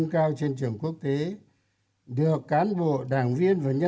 có ý nghĩa định